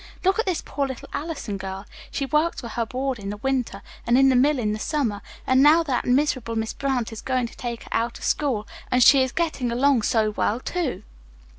Look at this poor, little Allison girl. She works for her board in the winter, and in the mill in the summer, and now that miserable Miss Brant is going to take her out of school, and she is getting along so well, too."